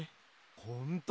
ほんとだ。